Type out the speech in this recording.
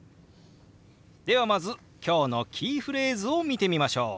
ではまず今日のキーフレーズを見てみましょう。